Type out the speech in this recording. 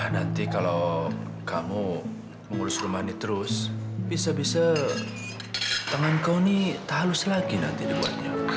nanti kalau kamu mengurus rumah ini terus bisa bisa tangan kau ini talus lagi nanti dibuatnya